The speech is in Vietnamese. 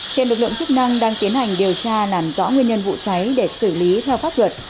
hiện lực lượng chức năng đang tiến hành điều tra làm rõ nguyên nhân vụ cháy để xử lý theo pháp luật